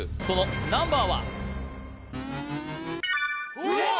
そのナンバーは？